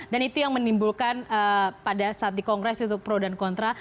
dan itu yang menimbulkan pada saat di kongres itu pro dan kontra